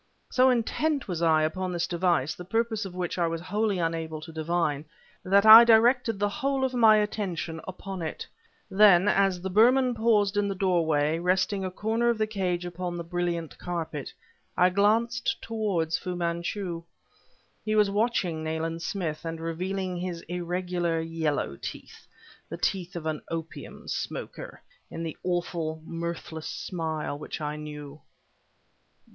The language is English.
So intent was I upon this device, the purpose of which I was wholly unable to divine, that I directed the whole of my attention upon it. Then, as the Burman paused in the doorway, resting a corner of the cage upon the brilliant carpet, I glanced toward Fu Manchu. He was watching Nayland Smith, and revealing his irregular yellow teeth the teeth of an opium smoker in the awful mirthless smile which I knew.